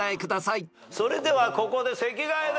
それではここで席替えでーす。